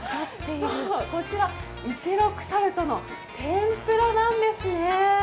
こちら一六タルトの天ぷらなんですね。